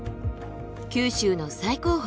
九州の最高峰。